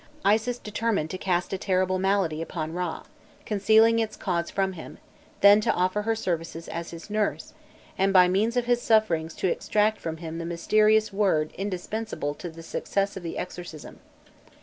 Isis determined to cast a terrible malady upon Râ, concealing its cause from him; then to offer her services as his nurse, and by means of his sufferings to extract from him the mysterious word indispensable to the success of the exorcism.